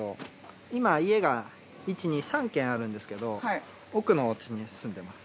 今家が１２３軒あるんですけど奥のおうちに住んでます。